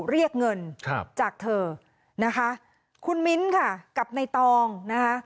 เรียกเงินครับจากเธอนะคะคุณมิ้นค่ะกับในตองนะคะ